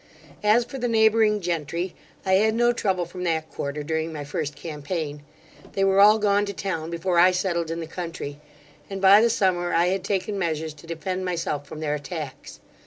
As for the neighbouring gentry, I had no trouble from that quarter during my first campaign; they were all gone to town before I settled in the country; and by the summer I had taken measures to defend myself from their attacks.